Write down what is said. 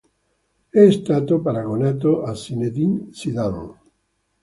È stato paragonato a Zinédine Zidane.